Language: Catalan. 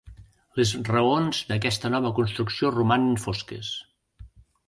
Les raons d'aquesta nova construcció romanen fosques.